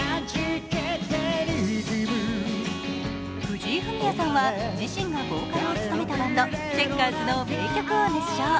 藤井フミヤさんは自身がボーカルを務めたバンドチェッカーズの名曲を熱唱。